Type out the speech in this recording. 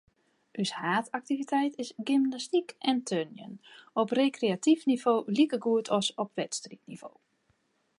Us haadaktiviteit is gymnastyk en turnjen, op rekreatyf nivo likegoed as op wedstriidnivo.